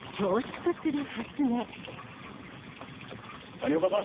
谷岡さん！